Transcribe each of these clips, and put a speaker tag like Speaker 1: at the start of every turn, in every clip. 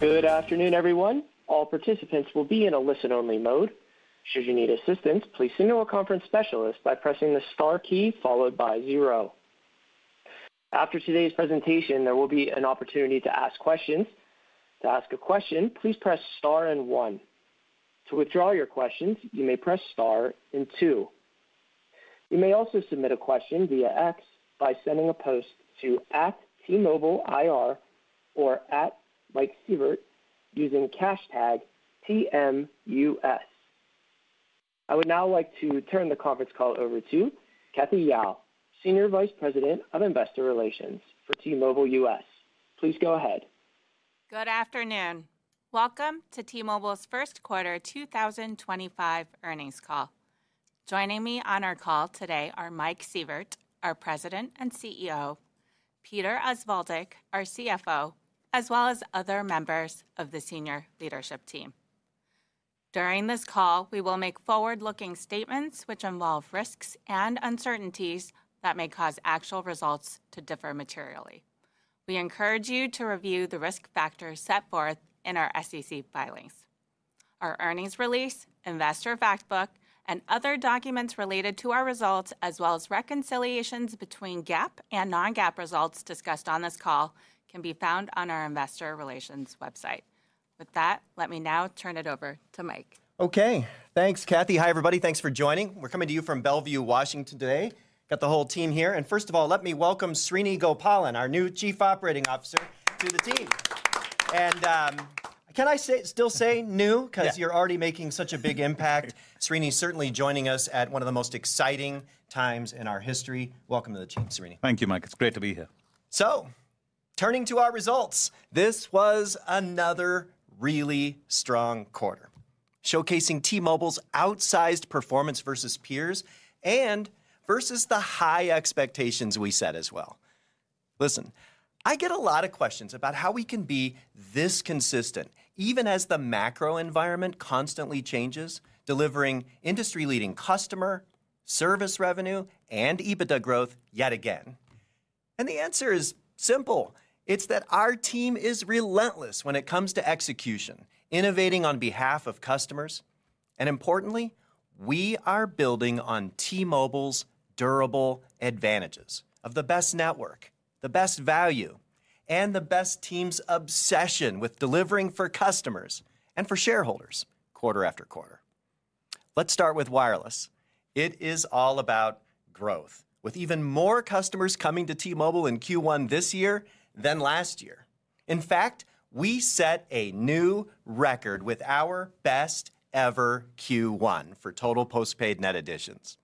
Speaker 1: Good afternoon, everyone. All participants will be in a listen-only mode. Should you need assistance, please signal a conference specialist by pressing the star key followed by zero. After today's presentation, there will be an opportunity to ask questions. To ask a question, please press star and one. To withdraw your questions, you may press star and two. You may also submit a question via X by sending a post to @T-MobileIR or @MikeSievert using hashtag T-M-U-S. I would now like to turn the conference call over to Cathy Yao, Senior Vice President of Investor Relations for T-Mobile US. Please go ahead.
Speaker 2: Good afternoon. Welcome to T-Mobile's First Quarter 2025 Earnings Call. Joining me on our call today are Mike Sievert, our President and CEO, Peter Osvaldik, our CFO, as well as other members of the senior leadership team. During this call, we will make forward-looking statements which involve risks and uncertainties that may cause actual results to differ materially. We encourage you to review the risk factors set forth in our SEC filings. Our earnings release, investor fact book, and other documents related to our results, as well as reconciliations between GAAP and non-GAAP results discussed on this call, can be found on our investor relations website. With that, let me now turn it over to Mike.
Speaker 3: Okay. Thanks, Cathy. Hi, everybody. Thanks for joining. We're coming to you from Bellevue, Washington today. Got the whole team here. First of all, let me welcome Srini Gopalan, our new Chief Operating Officer, to the team. Can I still say new? Because you're already making such a big impact. Srini is certainly joining us at one of the most exciting times in our history. Welcome to the team, Srini.
Speaker 4: Thank you, Mike. It's great to be here.
Speaker 3: Turning to our results, this was another really strong quarter, showcasing T-Mobile's outsized performance versus peers and versus the high expectations we set as well. Listen, I get a lot of questions about how we can be this consistent, even as the macro environment constantly changes, delivering industry-leading customer service revenue and EBITDA growth yet again. The answer is simple. It's that our team is relentless when it comes to execution, innovating on behalf of customers. Importantly, we are building on T-Mobile's durable advantages of the best network, the best value, and the best team's obsession with delivering for customers and for shareholders quarter after quarter. Let's start with wireless. It is all about growth, with even more customers coming to T-Mobile in Q1 this year than last year. In fact, we set a new record with our best-ever Q1 for total postpaid net additions.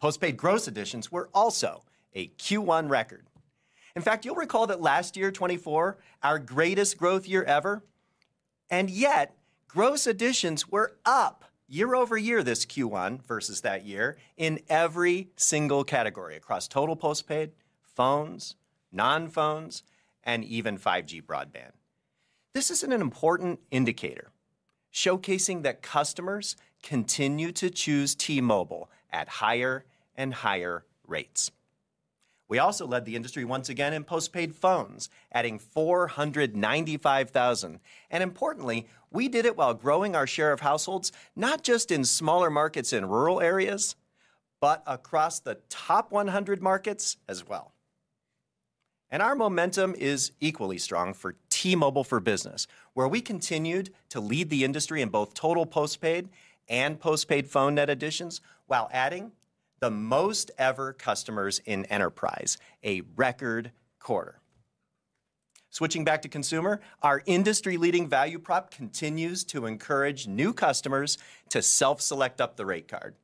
Speaker 3: Postpaid gross additions were also a Q1 record. In fact, you'll recall that last year, 2024, our greatest growth year ever. Yet gross additions were up year over year this Q1 versus that year in every single category across total postpaid, phones, non-phones, and even 5G broadband. This is an important indicator, showcasing that customers continue to choose T-Mobile at higher and higher rates. We also led the industry once again in postpaid phones, adding 495,000. Importantly, we did it while growing our share of households, not just in smaller markets in rural areas, but across the top 100 markets as well. Our momentum is equally strong for T-Mobile for business, where we continued to lead the industry in both total postpaid and postpaid phone net additions while adding the most-ever customers in enterprise, a record quarter. Switching back to consumer, our industry-leading value prop continues to encourage new customers to self-select up the rate card.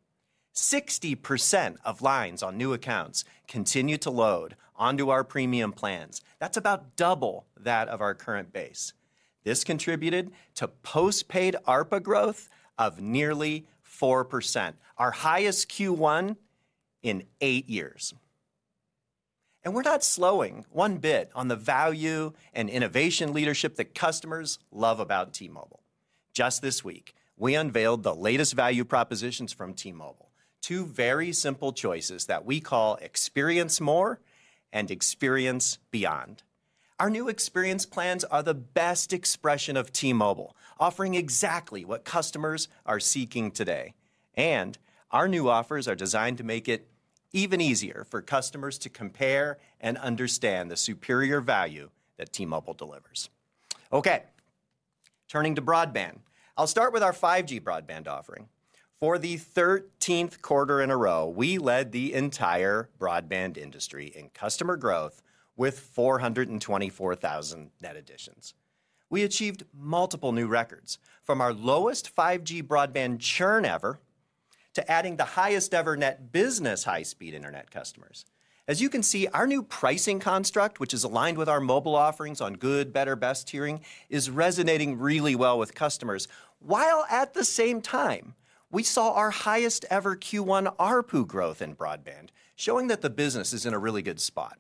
Speaker 3: 60% of lines on new accounts continue to load onto our premium plans. That's about double that of our current base. This contributed to postpaid ARPA growth of nearly 4%, our highest Q1 in eight years. We're not slowing one bit on the value and innovation leadership that customers love about T-Mobile. Just this week, we unveiled the latest value propositions from T-Mobile, two very simple choices that we call Experience More and Experience Beyond. Our new experience plans are the best expression of T-Mobile, offering exactly what customers are seeking today. Our new offers are designed to make it even easier for customers to compare and understand the superior value that T-Mobile delivers. Okay, turning to broadband, I'll start with our 5G broadband offering. For the 13th quarter in a row, we led the entire broadband industry in customer growth with 424,000 net additions. We achieved multiple new records, from our lowest 5G broadband churn ever to adding the highest-ever net business high-speed internet customers. As you can see, our new pricing construct, which is aligned with our mobile offerings on good, better, best hearing, is resonating really well with customers. While at the same time, we saw our highest-ever Q1 ARPU growth in broadband, showing that the business is in a really good spot.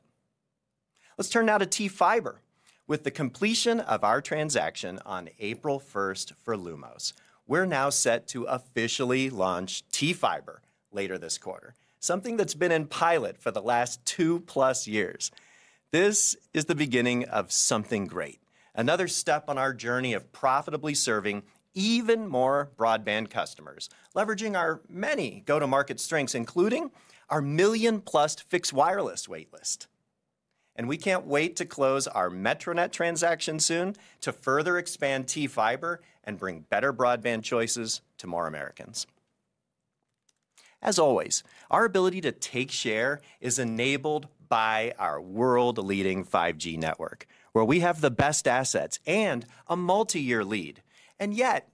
Speaker 3: Let's turn now to T-Fiber. With the completion of our transaction on April 1 for Lumos, we're now set to officially launch T-Fiber later this quarter, something that's been in pilot for the last two-plus years. This is the beginning of something great, another step on our journey of profitably serving even more broadband customers, leveraging our many go-to-market strengths, including our million-plus fixed wireless waitlist. We cannot wait to close our Metronet transaction soon to further expand T-Fiber and bring better broadband choices to more Americans. As always, our ability to take share is enabled by our world-leading 5G network, where we have the best assets and a multi-year lead. Yet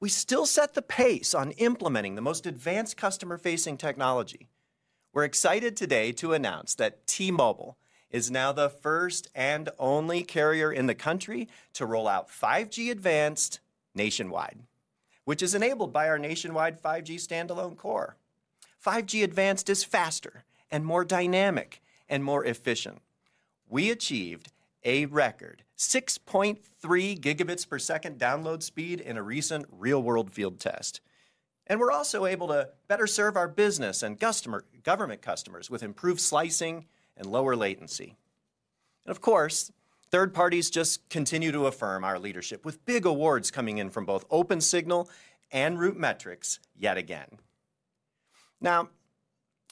Speaker 3: we still set the pace on implementing the most advanced customer-facing technology. We are excited today to announce that T-Mobile is now the first and only carrier in the country to roll out 5G Advanced nationwide, which is enabled by our nationwide 5G standalone core. 5G Advanced is faster and more dynamic and more efficient. We achieved a record 6.3 gigabits per second download speed in a recent real-world field test. We are also able to better serve our business and government customers with improved slicing and lower latency. Of course, third parties just continue to affirm our leadership, with big awards coming in from both OpenSignal and Rootmetrics yet again. Now,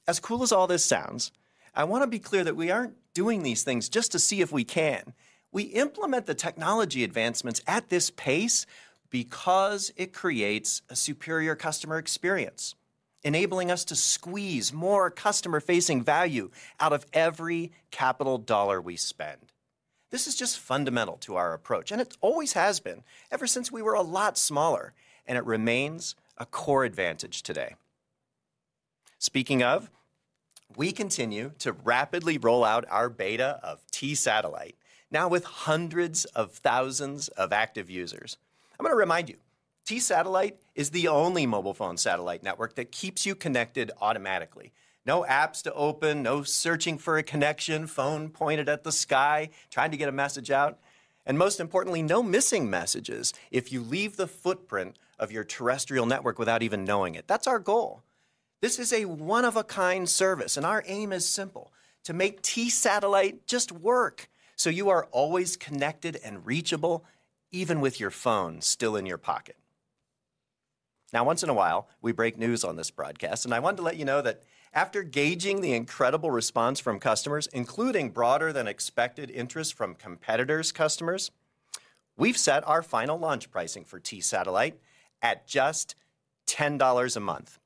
Speaker 3: as cool as all this sounds, I want to be clear that we are not doing these things just to see if we can. We implement the technology advancements at this pace because it creates a superior customer experience, enabling us to squeeze more customer-facing value out of every capital dollar we spend. This is just fundamental to our approach, and it always has been ever since we were a lot smaller, and it remains a core advantage today. Speaking of, we continue to rapidly roll out our beta of T-Satellite, now with hundreds of thousands of active users. I'm going to remind you, T-Satellite is the only mobile phone satellite network that keeps you connected automatically. No apps to open, no searching for a connection, phone pointed at the sky trying to get a message out. Most importantly, no missing messages if you leave the footprint of your terrestrial network without even knowing it. That's our goal. This is a one-of-a-kind service, and our aim is simple: to make T-Satellite just work so you are always connected and reachable, even with your phone still in your pocket. Now, once in a while, we break news on this broadcast, and I wanted to let you know that after gauging the incredible response from customers, including broader-than-expected interest from competitors' customers, we've set our final launch pricing for T-Satellite at just $10 a month,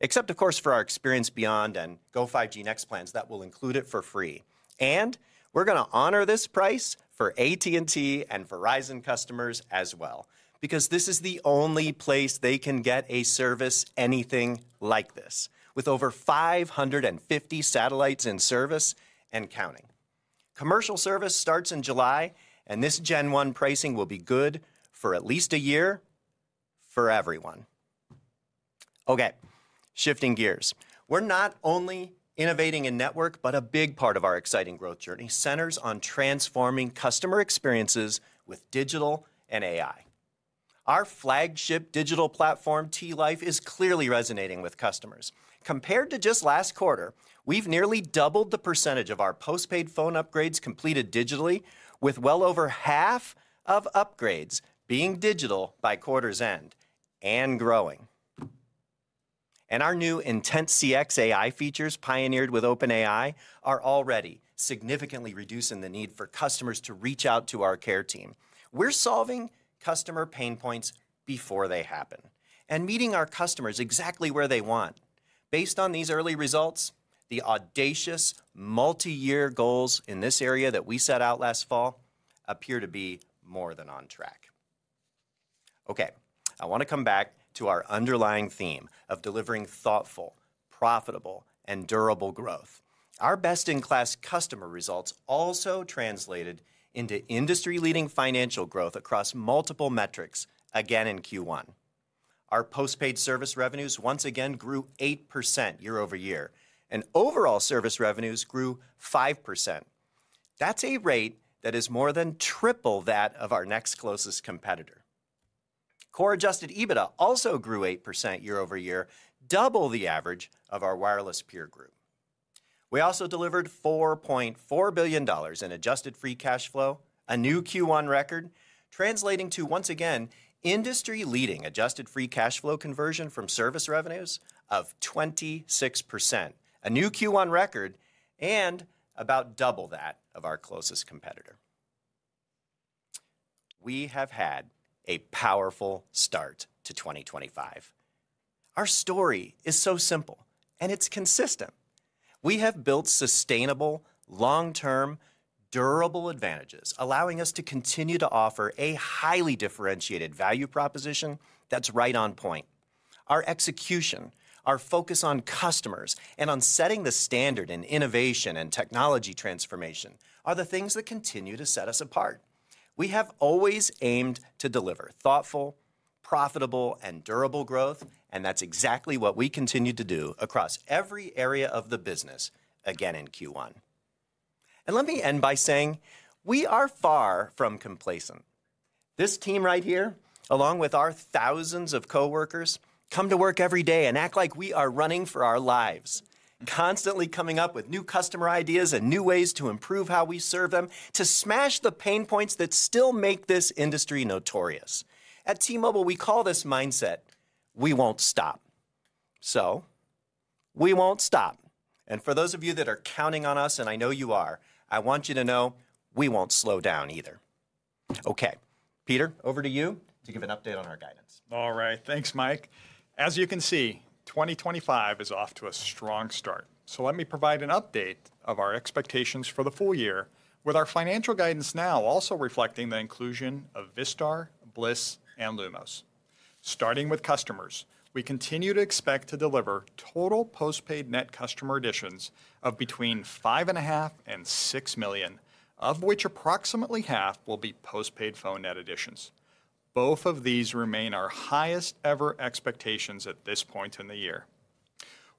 Speaker 3: except, of course, for our Experience Beyond and Go 5G Next plans that will include it for free. We're going to honor this price for AT&T and Verizon customers as well, because this is the only place they can get a service anything like this, with over 550 satellites in service and counting. Commercial service starts in July, and this Gen 1 pricing will be good for at least a year for everyone. Okay, shifting gears. We're not only innovating a network, but a big part of our exciting growth journey centers on transforming customer experiences with digital and AI. Our flagship digital platform, T-Life, is clearly resonating with customers. Compared to just last quarter, we've nearly doubled the percentage of our postpaid phone upgrades completed digitally, with well over half of upgrades being digital by quarter's end and growing. Our new IntentCX AI features, pioneered with OpenAI, are already significantly reducing the need for customers to reach out to our care team. We're solving customer pain points before they happen and meeting our customers exactly where they want. Based on these early results, the audacious multi-year goals in this area that we set out last fall appear to be more than on track. I want to come back to our underlying theme of delivering thoughtful, profitable, and durable growth. Our best-in-class customer results also translated into industry-leading financial growth across multiple metrics, again in Q1. Our postpaid service revenues once again grew 8% year over year, and overall service revenues grew 5%. That's a rate that is more than triple that of our next closest competitor. Core-adjusted EBITDA also grew 8% year over year, double the average of our wireless peer group. We also delivered $4.4 billion in adjusted free cash flow, a new Q1 record, translating to, once again, industry-leading adjusted free cash flow conversion from service revenues of 26%, a new Q1 record and about double that of our closest competitor. We have had a powerful start to 2025. Our story is so simple, and it's consistent. We have built sustainable, long-term, durable advantages, allowing us to continue to offer a highly differentiated value proposition that's right on point. Our execution, our focus on customers, and on setting the standard in innovation and technology transformation are the things that continue to set us apart. We have always aimed to deliver thoughtful, profitable, and durable growth, and that is exactly what we continue to do across every area of the business, again in Q1. Let me end by saying we are far from complacent. This team right here, along with our thousands of coworkers, come to work every day and act like we are running for our lives, constantly coming up with new customer ideas and new ways to improve how we serve them, to smash the pain points that still make this industry notorious. At T-Mobile, we call this mindset, "We won't stop." We won't stop. For those of you that are counting on us, and I know you are, I want you to know we won't slow down either. Okay, Peter, over to you to give an update on our guidance.
Speaker 5: All right, thanks, Mike. As you can see, 2025 is off to a strong start. Let me provide an update of our expectations for the full year, with our financial guidance now also reflecting the inclusion of Vistar, Bliss, and Lumos. Starting with customers, we continue to expect to deliver total postpaid net customer additions of between 5.5 and 6 million, of which approximately half will be postpaid phone net additions. Both of these remain our highest-ever expectations at this point in the year.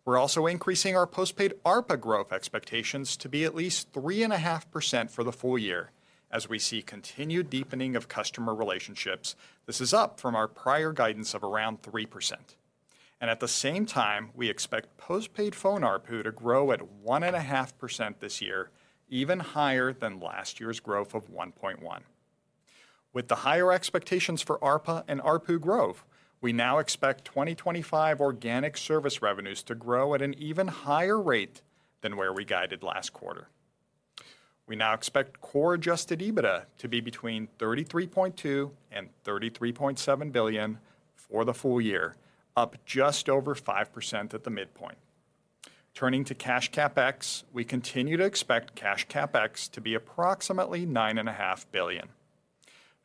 Speaker 5: We're also increasing our postpaid ARPA growth expectations to be at least 3.5% for the full year. As we see continued deepening of customer relationships, this is up from our prior guidance of around 3%. At the same time, we expect postpaid phone ARPU to grow at 1.5% this year, even higher than last year's growth of 1.1%. With the higher expectations for ARPA and ARPU growth, we now expect 2025 organic service revenues to grow at an even higher rate than where we guided last quarter. We now expect core-adjusted EBITDA to be between $33.2 billion-$33.7 billion for the full year, up just over 5% at the midpoint. Turning to Cash CapEx, we continue to expect Cash CapEx to be approximately $9.5 billion.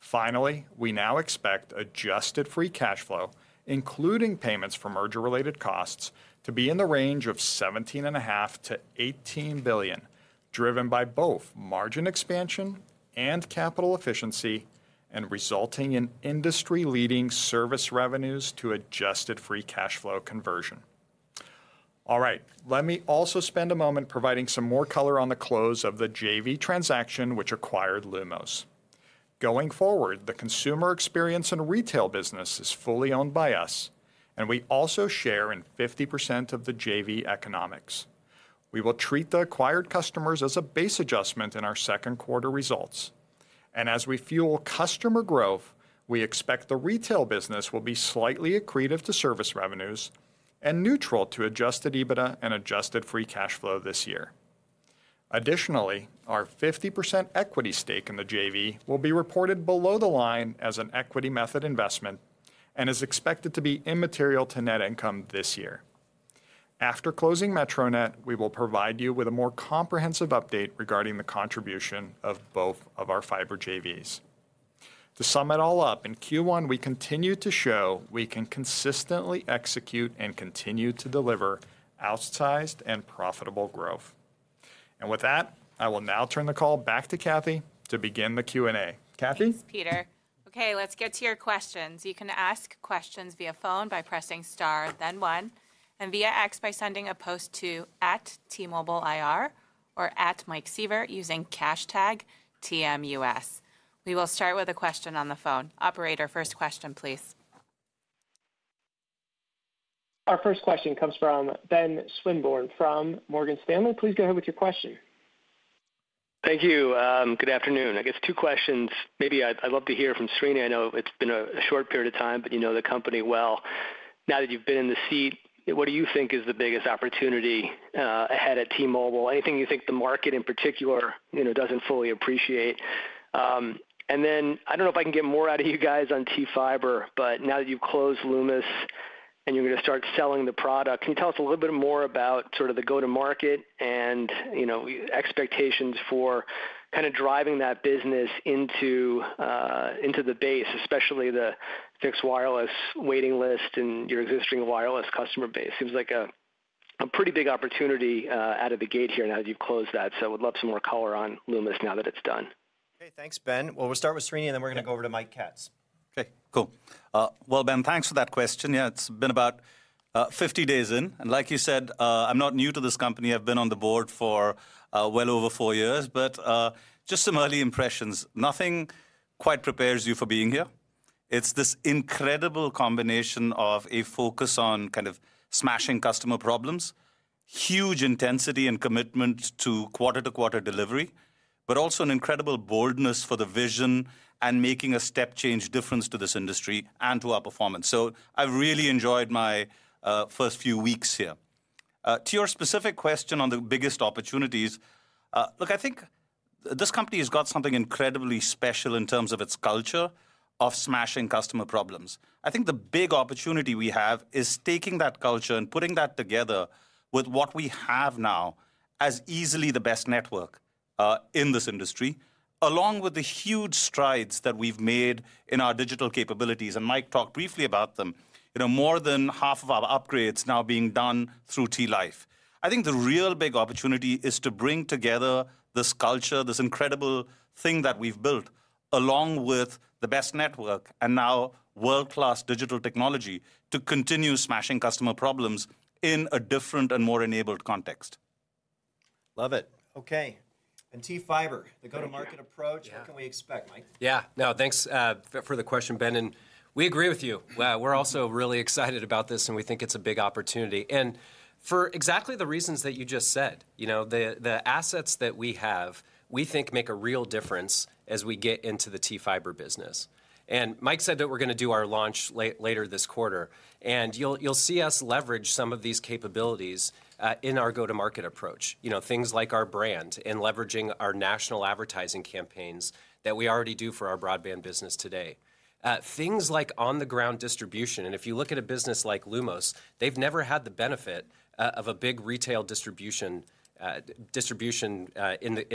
Speaker 5: Finally, we now expect adjusted free cash flow, including payments for merger-related costs, to be in the range of $17.5 billion-$18 billion, driven by both margin expansion and capital efficiency, and resulting in industry-leading service revenues to adjusted free cash flow conversion. All right, let me also spend a moment providing some more color on the close of the JV transaction, which acquired Lumos. Going forward, the consumer experience and retail business is fully owned by us, and we also share in 50% of the JV economics. We will treat the acquired customers as a base adjustment in our second quarter results. As we fuel customer growth, we expect the retail business will be slightly accretive to service revenues and neutral to adjusted EBITDA and adjusted free cash flow this year. Additionally, our 50% equity stake in the JV will be reported below the line as an equity method investment and is expected to be immaterial to net income this year. After closing Metronet, we will provide you with a more comprehensive update regarding the contribution of both of our fiber JVs. To sum it all up, in Q1, we continue to show we can consistently execute and continue to deliver outsized and profitable growth. With that, I will now turn the call back to Cathy to begin the Q&A. Cathy?
Speaker 2: Thanks, Peter. Okay, let's get to your questions. You can ask questions via phone by pressing star, then one, and via X by sending a post to @T-MobileIR or @MikeSievert using hashtag TMUS. We will start with a question on the phone. Operator, first question, please.
Speaker 1: Our first question comes from Ben Swinburne from Morgan Stanley.
Speaker 3: Please go ahead with your question.
Speaker 6: Thank you. Good afternoon. I guess two questions. Maybe I'd love to hear from Srini. I know it's been a short period of time, but you know the company well. Now that you've been in the seat, what do you think is the biggest opportunity ahead at T-Mobile? Anything you think the market in particular doesn't fully appreciate? I don't know if I can get more out of you guys on T-Fiber, but now that you've closed Lumos and you're going to start selling the product, can you tell us a little bit more about sort of the go-to-market and expectations for kind of driving that business into the base, especially the fixed wireless waiting list and your existing wireless customer base? Seems like a pretty big opportunity out of the gate here now that you've closed that.
Speaker 3: I would love some more color on Lumos now that it's done.
Speaker 5: Okay, thanks, Ben. We'll start with Srini, and then we're going to go over to Mike Katz.
Speaker 4: Okay, cool. Ben, thanks for that question. Yeah, it's been about 50 days in. Like you said, I'm not new to this company. I've been on the board for well over four years, but just some early impressions. Nothing quite prepares you for being here. It's this incredible combination of a focus on kind of smashing customer problems, huge intensity and commitment to quarter-to-quarter delivery, but also an incredible boldness for the vision and making a step-change difference to this industry and to our performance. I've really enjoyed my first few weeks here. To your specific question on the biggest opportunities, look, I think this company has got something incredibly special in terms of its culture of smashing customer problems. I think the big opportunity we have is taking that culture and putting that together with what we have now as easily the best network in this industry, along with the huge strides that we've made in our digital capabilities. Mike talked briefly about them. More than half of our upgrades now being done through T-Life. I think the real big opportunity is to bring together this culture, this incredible thing that we've built, along with the best network and now world-class digital technology to continue smashing customer problems in a different and more enabled context.
Speaker 6: Love it. Okay, and T-Fiber, the go-to-market approach, what can we expect, Mike?
Speaker 3: Yeah, no, thanks for the question, Ben. We agree with you. We're also really excited about this, and we think it's a big opportunity. For exactly the reasons that you just said, the assets that we have, we think make a real difference as we get into the T-Fiber business. Mike said that we're going to do our launch later this quarter, and you'll see us leverage some of these capabilities in our go-to-market approach, things like our brand and leveraging our national advertising campaigns that we already do for our broadband business today. Things like on-the-ground distribution. If you look at a business like Lumos, they've never had the benefit of a big retail distribution in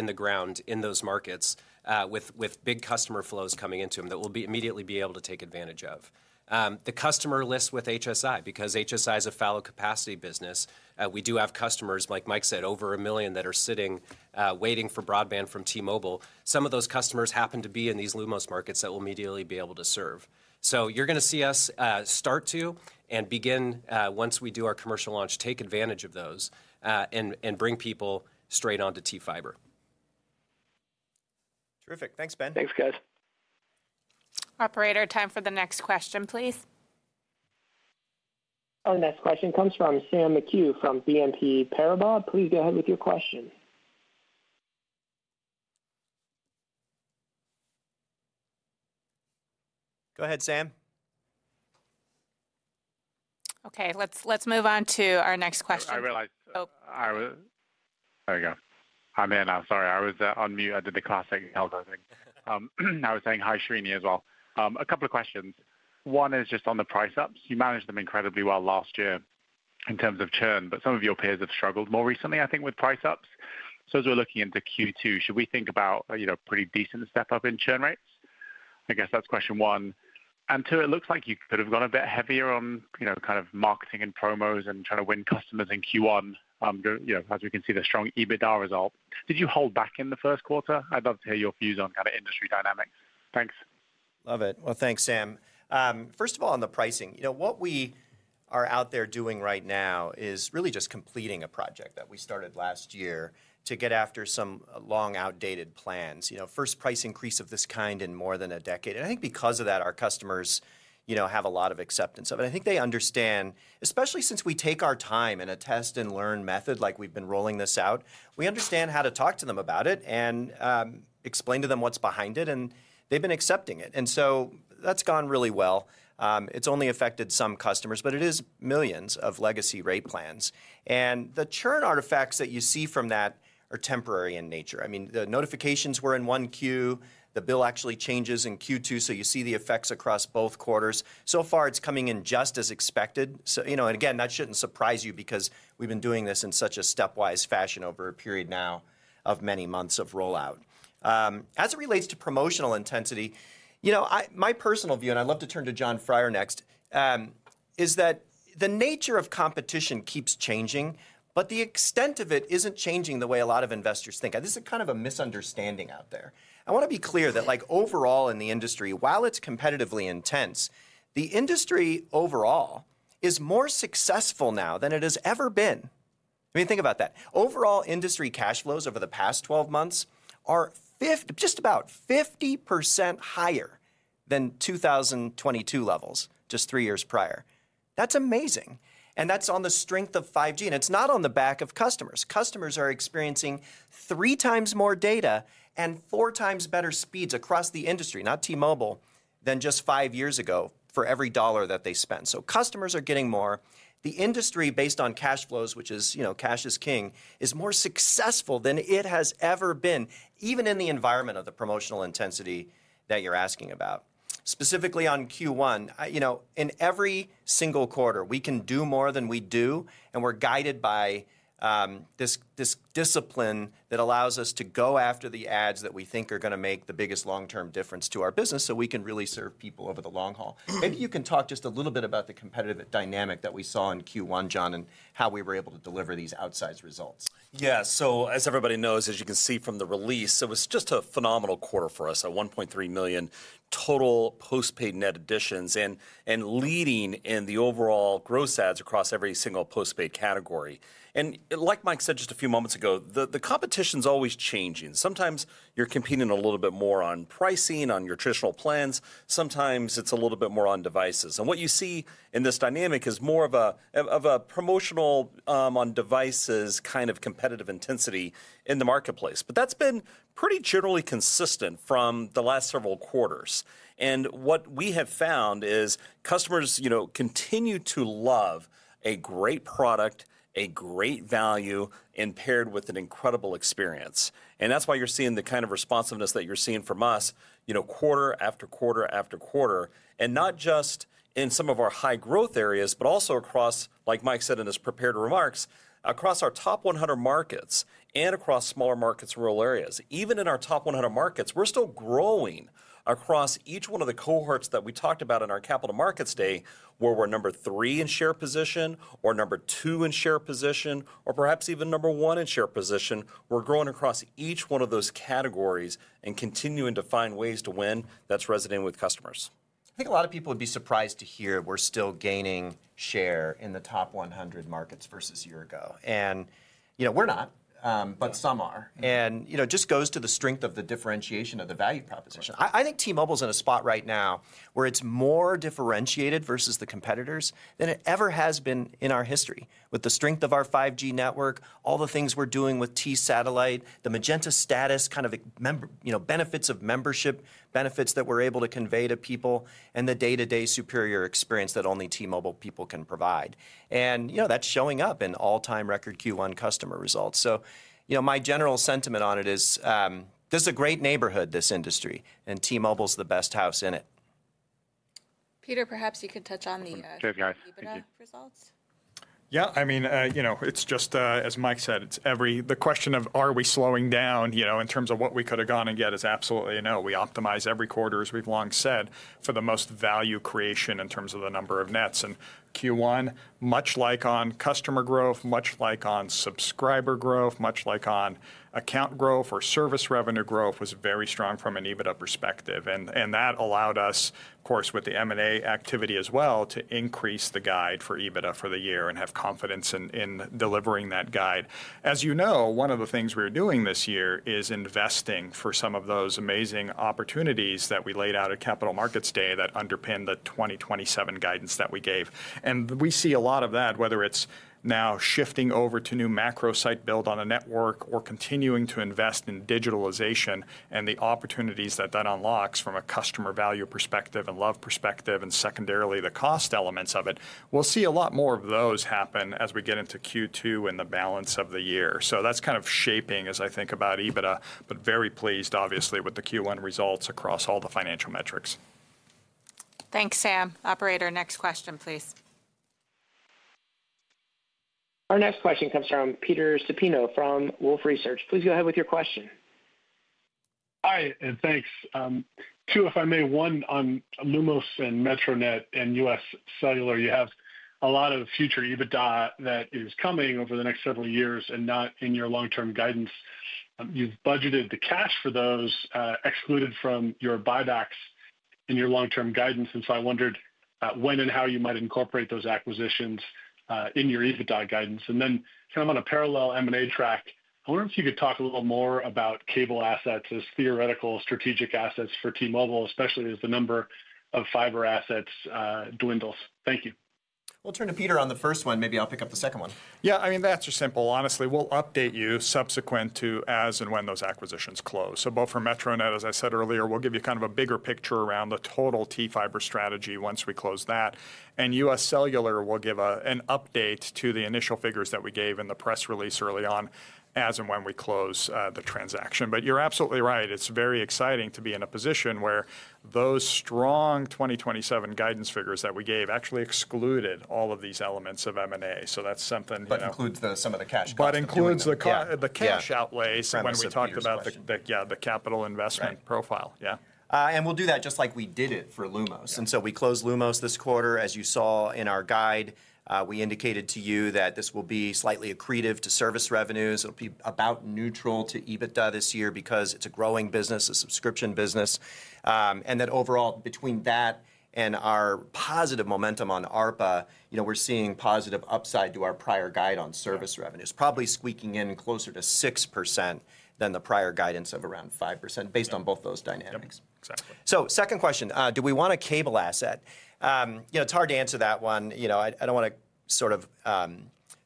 Speaker 3: the ground in those markets with big customer flows coming into them that will immediately be able to take advantage of. The customer lists with HSI because HSI is a fallow capacity business. We do have customers, like Mike said, over a million that are sitting waiting for broadband from T-Mobile. Some of those customers happen to be in these Lumos markets that we'll immediately be able to serve. You're going to see us start to and begin once we do our commercial launch, take advantage of those and bring people straight onto T-Fiber.
Speaker 5: Terrific. Thanks, Ben.
Speaker 6: Thanks, guys.
Speaker 2: Operator, time for the next question, please.
Speaker 1: Our next question comes from Sam McHugh from BNP Paribas. Please go ahead with your question.
Speaker 5: Go ahead, Sam.
Speaker 2: Okay, let's move on to our next question.
Speaker 7: I realized I was—there you go. Hi, man. I'm sorry. I was on mute. I did the classic hell no thing. I was saying hi, Srini, as well. A couple of questions. One is just on the price ups. You managed them incredibly well last year in terms of churn, but some of your peers have struggled more recently, I think, with price ups. As we're looking into Q2, should we think about a pretty decent step up in churn rates? I guess that's question one. Two, it looks like you could have gone a bit heavier on kind of marketing and promos and trying to win customers in Q1, as we can see the strong EBITDA result. Did you hold back in the first quarter? I'd love to hear your views on kind of industry dynamics. Thanks. Love it.
Speaker 5: Thanks, Sam. First of all, on the pricing, what we are out there doing right now is really just completing a project that we started last year to get after some long-outdated plans. First price increase of this kind in more than a decade. I think because of that, our customers have a lot of acceptance of it. I think they understand, especially since we take our time in a test-and-learn method like we've been rolling this out, we understand how to talk to them about it and explain to them what's behind it, and they've been accepting it. That has gone really well. It's only affected some customers, but it is millions of legacy rate plans. The churn artifacts that you see from that are temporary in nature. I mean, the notifications were in one queue. The bill actually changes in Q2, so you see the effects across both quarters. So far, it's coming in just as expected. Again, that shouldn't surprise you because we've been doing this in such a stepwise fashion over a period now of many months of rollout. As it relates to promotional intensity, my personal view, and I'd love to turn to John Freier next, is that the nature of competition keeps changing, but the extent of it isn't changing the way a lot of investors think. This is kind of a misunderstanding out there. I want to be clear that overall in the industry, while it's competitively intense, the industry overall is more successful now than it has ever been. I mean, think about that. Overall industry cash flows over the past 12 months are just about 50% higher than 2022 levels, just three years prior. That's amazing. That's on the strength of 5G. It's not on the back of customers. Customers are experiencing three times more data and four times better speeds across the industry, not T-Mobile, than just five years ago for every dollar that they spent. Customers are getting more. The industry, based on cash flows, which is cash is king, is more successful than it has ever been, even in the environment of the promotional intensity that you're asking about. Specifically on Q1, in every single quarter, we can do more than we do, and we're guided by this discipline that allows us to go after the ads that we think are going to make the biggest long-term difference to our business so we can really serve people over the long haul. Maybe you can talk just a little bit about the competitive dynamic that we saw in Q1, John, and how we were able to deliver these outsized results.
Speaker 8: Yeah, as everybody knows, as you can see from the release, it was just a phenomenal quarter for us at 1.3 million total postpaid net additions and leading in the overall gross ads across every single postpaid category. Like Mike said just a few moments ago, the competition's always changing. Sometimes you're competing a little bit more on pricing, on your traditional plans. Sometimes it's a little bit more on devices. What you see in this dynamic is more of a promotional on devices kind of competitive intensity in the marketplace. That's been pretty generally consistent from the last several quarters. What we have found is customers continue to love a great product, a great value impaired with an incredible experience. That's why you're seeing the kind of responsiveness that you're seeing from us quarter after quarter after quarter, and not just in some of our high growth areas, but also across, like Mike said in his prepared remarks, across our top 100 markets and across smaller markets and rural areas. Even in our top 100 markets, we're still growing across each one of the cohorts that we talked about in our capital markets day, where we're number three in share position or number two in share position or perhaps even number one in share position. We're growing across each one of those categories and continuing to find ways to win that's resonating with customers. I think a lot of people would be surprised to hear we're still gaining share in the top 100 markets versus a year ago. We're not, but some are. It just goes to the strength of the differentiation of the value proposition. I think T-Mobile's in a spot right now where it's more differentiated versus the competitors than it ever has been in our history. With the strength of our 5G network, all the things we're doing with T-Satellite, the Magenta Status, kind of benefits of membership, benefits that we're able to convey to people, and the day-to-day superior experience that only T-Mobile people can provide. That is showing up in all-time record Q1 customer results. My general sentiment on it is this is a great neighborhood, this industry, and T-Mobile's the best house in it. Peter, perhaps you could touch on the EBITDA results.
Speaker 7: Yeah, I mean, it's just, as Mike said, it's every the question of, are we slowing down in terms of what we could have gone and yet is absolutely no. We optimize every quarter, as we've long said, for the most value creation in terms of the number of nets. Q1, much like on customer growth, much like on subscriber growth, much like on account growth or service revenue growth, was very strong from an EBITDA perspective. That allowed us, of course, with the M&A activity as well, to increase the guide for EBITDA for the year and have confidence in delivering that guide. As you know, one of the things we're doing this year is investing for some of those amazing opportunities that we laid out at Capital Markets Day that underpinned the 2027 guidance that we gave. We see a lot of that, whether it's now shifting over to new macro site build on a network or continuing to invest in digitalization and the opportunities that that unlocks from a customer value perspective and love perspective and secondarily the cost elements of it.
Speaker 3: We'll see a lot more of those happen as we get into Q2 and the balance of the year. That's kind of shaping, as I think about EBITDA, but very pleased, obviously, with the Q1 results across all the financial metrics.
Speaker 2: Thanks, Sam. Operator, next question, please.
Speaker 1: Our next question comes from Peter Supino from Wolfe Research. Please go ahead with your question.
Speaker 9: Hi, and thanks. Two, if I may, one on Lumos and Metronet and US Cellular. You have a lot of future EBITDA that is coming over the next several years and not in your long-term guidance. You've budgeted the cash for those excluded from your buybacks in your long-term guidance. I wondered when and how you might incorporate those acquisitions in your EBITDA guidance. Then kind of on a parallel M&A track, I wonder if you could talk a little more about cable assets as theoretical strategic assets for T-Mobile, especially as the number of fiber assets dwindles. Thank you.
Speaker 5: We'll turn to Peter on the first one. Maybe I'll pick up the second one. Yeah, I mean, that's just simple. Honestly, we'll update you subsequent to as and when those acquisitions close. So both for Metronet, as I said earlier, we'll give you kind of a bigger picture around the total T-Fiber strategy once we close that. And US Cellular, we'll give an update to the initial figures that we gave in the press release early on as and when we close the transaction. But you're absolutely right. It's very exciting to be in a position where those strong 2027 guidance figures that we gave actually excluded all of these elements of M&A. That's something that includes some of the cash cut, but includes the cash outlays. We talked about the capital investment profile. Yeah.
Speaker 3: We'll do that just like we did it for Lumos. We closed Lumos this quarter, as you saw in our guide. We indicated to you that this will be slightly accretive to service revenues. It'll be about neutral to EBITDA this year because it's a growing business, a subscription business. Overall, between that and our positive momentum on ARPA, we're seeing positive upside to our prior guide on service revenues, probably squeaking in closer to 6% than the prior guidance of around 5% based on both those dynamics.
Speaker 5: Exactly.
Speaker 3: The second question, do we want a cable asset? It's hard to answer that one. I don't want to sort of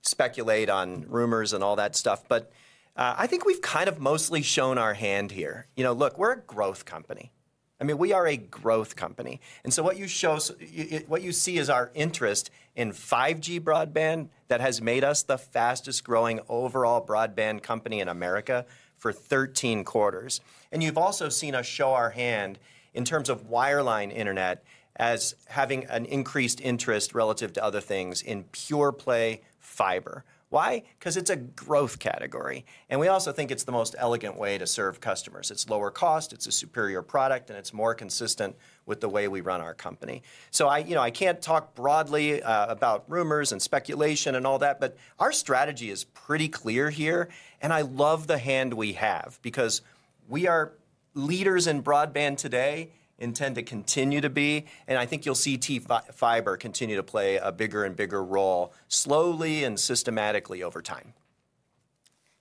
Speaker 3: speculate on rumors and all that stuff, but I think we've kind of mostly shown our hand here. Look, we're a growth company. I mean, we are a growth company. What you see is our interest in 5G broadband that has made us the fastest growing overall broadband company in America for 13 quarters. You've also seen us show our hand in terms of wireline internet as having an increased interest relative to other things in pure play fiber. Why? Because it's a growth category. We also think it's the most elegant way to serve customers. It's lower cost, it's a superior product, and it's more consistent with the way we run our company. I can't talk broadly about rumors and speculation and all that, but our strategy is pretty clear here. I love the hand we have because we are leaders in broadband today and tend to continue to be. I think you'll see T-Fiber continue to play a bigger and bigger role slowly and systematically over time.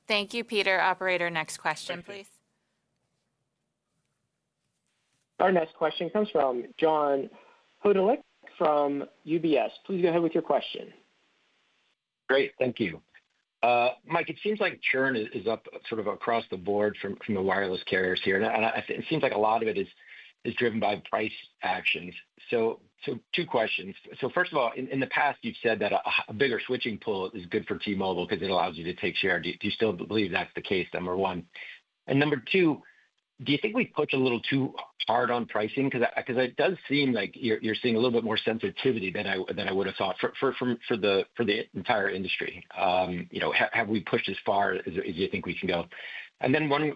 Speaker 2: Thank you, Peter. Operator, next question, please.
Speaker 1: Our next question comes from John Hodulik from UBS. Please go ahead with your question.
Speaker 10: Great. Thank you. Mike, it seems like churn is up sort of across the board from the wireless carriers here. It seems like a lot of it is driven by price actions. Two questions. First of all, in the past, you've said that a bigger switching pool is good for T-Mobile because it allows you to take share. Do you still believe that's the case, number one? Number two, do you think we push a little too hard on pricing? Because it does seem like you're seeing a little bit more sensitivity than I would have thought for the entire industry. Have we pushed as far as you think we can go?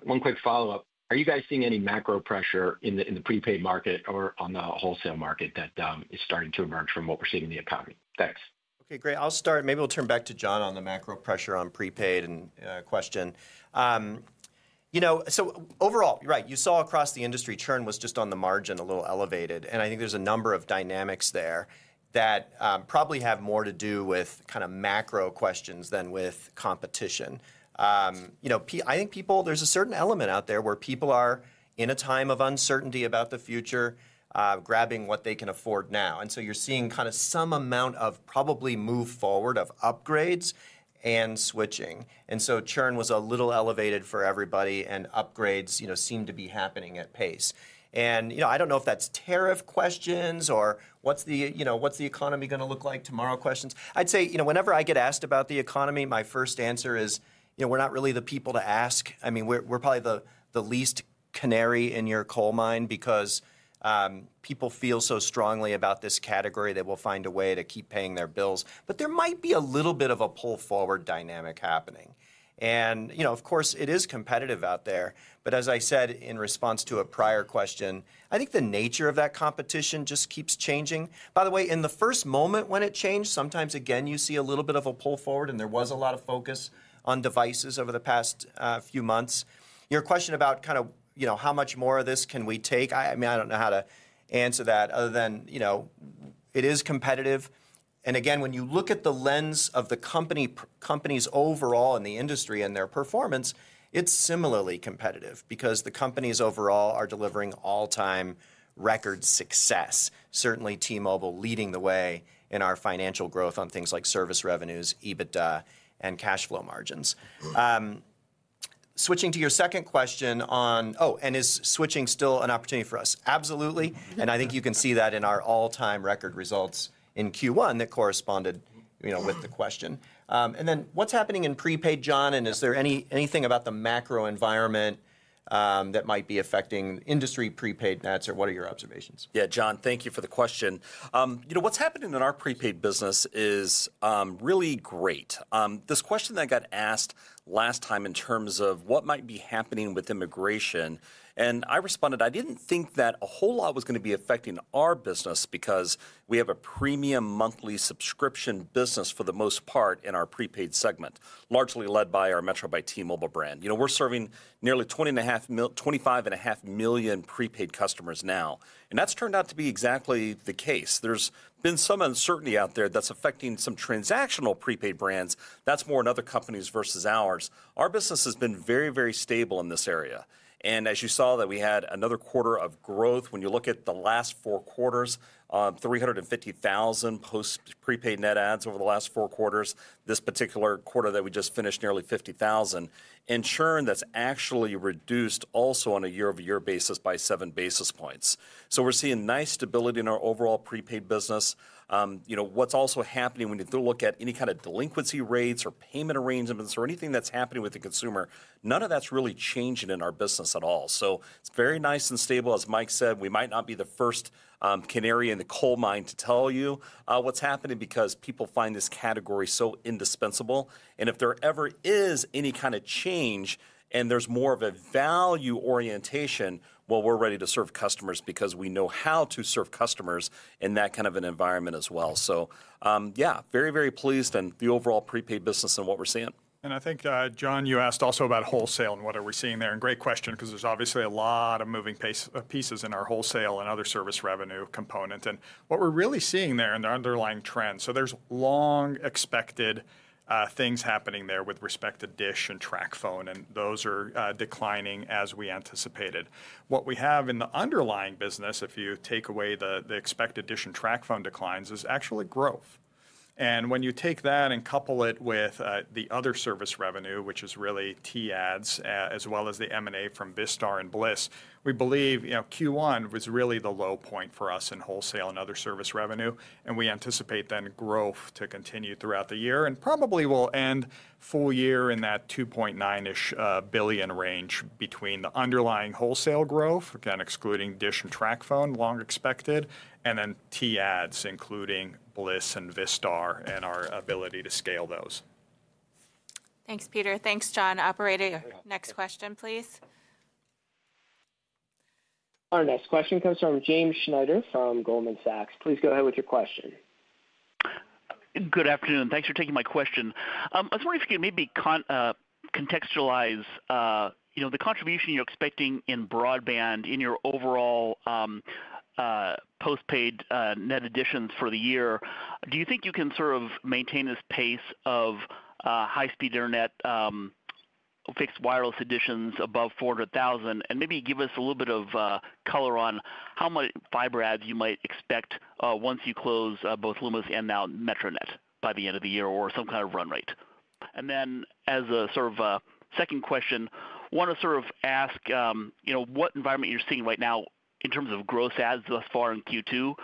Speaker 10: One quick follow-up. Are you guys seeing any macro pressure in the prepaid market or on the wholesale market that is starting to emerge from what we're seeing in the economy? Thanks.
Speaker 3: Okay, great. I'll start. Maybe we'll turn back to John on the macro pressure on prepaid and question. Overall, right, you saw across the industry churn was just on the margin a little elevated. I think there's a number of dynamics there that probably have more to do with kind of macro questions than with competition. I think there's a certain element out there where people are in a time of uncertainty about the future, grabbing what they can afford now. You're seeing kind of some amount of probably move forward of upgrades and switching. Churn was a little elevated for everybody, and upgrades seem to be happening at pace. I don't know if that's tariff questions or what's the economy going to look like tomorrow questions. I'd say whenever I get asked about the economy, my first answer is we're not really the people to ask. I mean, we're probably the least canary in your coal mine because people feel so strongly about this category that they'll find a way to keep paying their bills. There might be a little bit of a pull forward dynamic happening. Of course, it is competitive out there. As I said in response to a prior question, I think the nature of that competition just keeps changing. By the way, in the first moment when it changed, sometimes again, you see a little bit of a pull forward, and there was a lot of focus on devices over the past few months. Your question about kind of how much more of this can we take, I mean, I don't know how to answer that other than it is competitive. Again, when you look at the lens of the companies overall in the industry and their performance, it's similarly competitive because the companies overall are delivering all-time record success, certainly T-Mobile leading the way in our financial growth on things like service revenues, EBITDA, and cash flow margins. Switching to your second question on, oh, and is switching still an opportunity for us? Absolutely. I think you can see that in our all-time record results in Q1 that corresponded with the question. What is happening in prepaid, John, and is there anything about the macro environment that might be affecting industry prepaid nets, or what are your observations?
Speaker 8: Yeah, John, thank you for the question. What is happening in our prepaid business is really great. This question that got asked last time in terms of what might be happening with immigration, and I responded, I did not think that a whole lot was going to be affecting our business because we have a premium monthly subscription business for the most part in our prepaid segment, largely led by our Metro by T-Mobile brand. We are serving nearly 25.5 million prepaid customers now. That has turned out to be exactly the case. There's been some uncertainty out there that's affecting some transactional prepaid brands. That's more in other companies versus ours. Our business has been very, very stable in this area. As you saw, we had another quarter of growth. When you look at the last four quarters, 350,000 post prepaid net adds over the last four quarters. This particular quarter that we just finished, nearly 50,000. And churn that's actually reduced also on a year-over-year basis by seven basis points. We are seeing nice stability in our overall prepaid business. What's also happening when you look at any kind of delinquency rates or payment arrangements or anything that's happening with the consumer, none of that's really changing in our business at all. It is very nice and stable.
Speaker 3: As Mike said, we might not be the first canary in the coal mine to tell you what's happening because people find this category so indispensable. If there ever is any kind of change and there's more of a value orientation, we're ready to serve customers because we know how to serve customers in that kind of an environment as well. Very, very pleased in the overall prepaid business and what we're seeing.
Speaker 5: I think, John, you asked also about wholesale and what are we seeing there. Great question because there's obviously a lot of moving pieces in our wholesale and other service revenue component. What we're really seeing there and the underlying trend, there's long expected things happening there with respect to Dish and Tracfone, and those are declining as we anticipated. What we have in the underlying business, if you take away the expected Dish and Tracfone declines, is actually growth. If you take that and couple it with the other service revenue, which is really T-Ads as well as the M&A from Vistar and Bliss, we believe Q1 was really the low point for us in wholesale and other service revenue. We anticipate then growth to continue throughout the year and probably will end full year in that $2.9 billion-ish range between the underlying wholesale growth, again, excluding Dish and Tracfone, long expected, and then T-Ads, including Bliss and Vistar and our ability to scale those.
Speaker 2: Thanks, Peter. Thanks, John. Operator, next question, please. Our next question comes from James Schneider from Goldman Sachs. Please go ahead with your question.
Speaker 11: Good afternoon. Thanks for taking my question. I was wondering if you could maybe contextualize the contribution you're expecting in broadband in your overall postpaid net additions for the year. Do you think you can sort of maintain this pace of high-speed internet fixed wireless additions above 400,000 and maybe give us a little bit of color on how much fiber adds you might expect once you close both Lumos and now Metronet by the end of the year or some kind of run rate? As a sort of second question, want to sort of ask what environment you're seeing right now in terms of gross adds thus far in Q2.